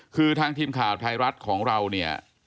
คือทางทีมข่าวไทยรัฐของเราเนี่ย